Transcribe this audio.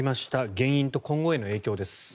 原因と今後への影響です。